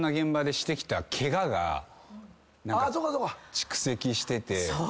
蓄積してて。